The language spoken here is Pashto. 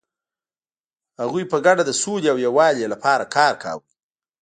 هغوی په ګډه د سولې او یووالي لپاره کار کاوه.